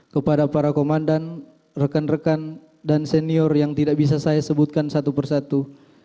kepada para komandan rekan rekan dan senior yang tidak bisa saya sebutkan satu persatu